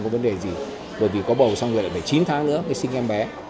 vấn đề gì bởi vì có bầu xong rồi lại bảy chín tháng nữa mới sinh em bé